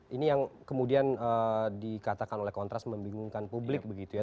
ini yang kemudian dikatakan oleh kontras membingungkan publik begitu ya